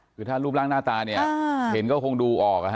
คือถ้ารูปร่างหน้าตาเนี่ยเห็นก็คงดูออก